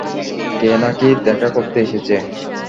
কে নাকি দেখা করতে এসেছে।